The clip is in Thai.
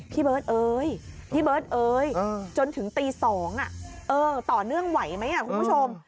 พี่เบิร์ดเอ้ยจนถึงตี๒น่ะต่อเนื่องไหวไหมคุณผู้ชม